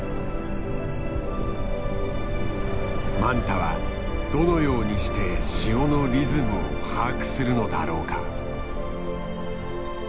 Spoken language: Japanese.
マンタはどのようにして潮のリズムを把握するのだろうか？